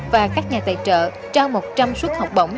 và các nhà tài trợ trao một trăm linh suất học bổng